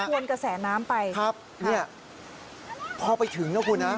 ทวนกระแสน้ำไปครับนี่พอไปถึงนะครับคุณฮะ